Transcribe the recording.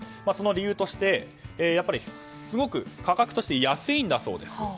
その理由としてすごく価格として安いんだそうです。